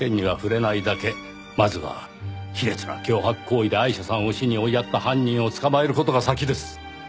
まずは卑劣な脅迫行為でアイシャさんを死に追いやった犯人を捕まえる事が先です。